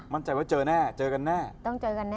มั่นใจว่าเจอแน่เจอกันแน่